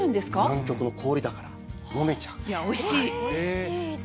南極の氷だから飲めちゃう。